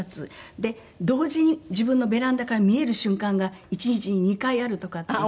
で「同時に自分のベランダから見える瞬間が１日に２回ある」とかって言って。